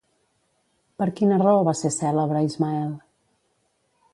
Per quina raó va ser cèlebre, Ismael?